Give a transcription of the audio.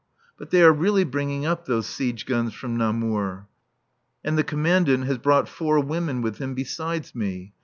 But they are really bringing up those siege guns from Namur. And the Commandant has brought four women with him besides me.